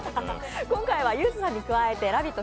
今回はゆーづさんに加えて「ラヴィット！」